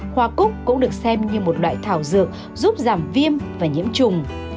hoa cúc cũng được xem như một loại thảo dược giúp giảm viêm và nhiễm trùng